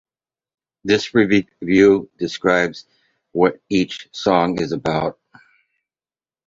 This review describes what each song is about.